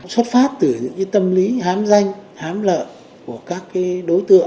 sốt phát từ những cái tâm lý hám danh hám lợi của các cái đối tượng